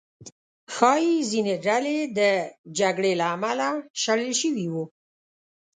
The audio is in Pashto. ښایي ځینې ډلې د جګړې له امله شړل شوي وو.